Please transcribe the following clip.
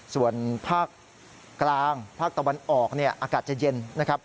ส่วนภาคกลางภาคตะวันออกอากาศจะเย็นนะครับ